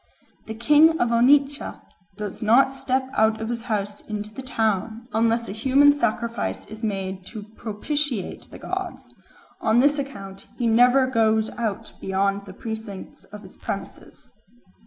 The king of Onitsha "does not step out of his house into the town unless a human sacrifice is made to propitiate the gods: on this account he never goes out beyond the precincts of his premises."